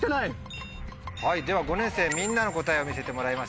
では５年生みんなの答えを見せてもらいましょう。